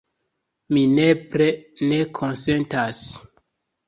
Mi nepre ne konsentas.